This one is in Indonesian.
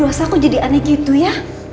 ya udah jempol bisa cranky juga